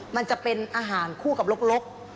มันจะเป็นอาหารคู่กับลก